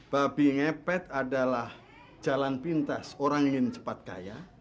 babi ngepet adalah jalan pintas orang ingin cepat kaya